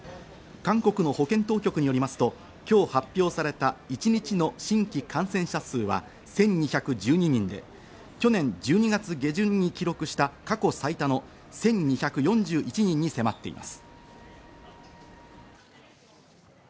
韓国の保健当局によりますと今日発表された一日の新規感染者数は１２１２人で去年１２月下旬に記録した過去最多の１２４１人に迫っています。